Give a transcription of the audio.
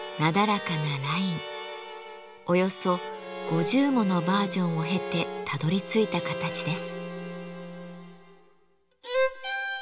およそ５０ものバージョンを経てたどりついた形です。